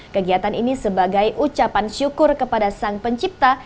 kegiatan ini sebagai ucapan syukur kepada sang pencipta